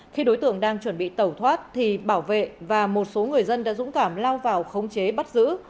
khi đối tượng đang chuẩn bị tẩu thoát thì bảo vệ và một số người dân đã dũng cảm lao vào khống chế bắt giữ